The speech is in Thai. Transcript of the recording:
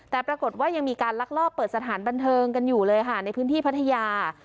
แต่ปรากฏว่ายังมีการลักลอบเปิดสถานบันเทิงกันอยู่เลยค่ะในพื้นที่พัทยา